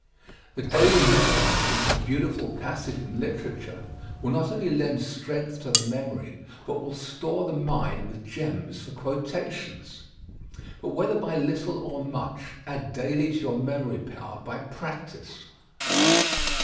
The daily memorizing of a beautiful passage in literature will not only lend strength to the memory, but will store the mind with gems for quotation. But whether by little or much add daily to your memory power by practise.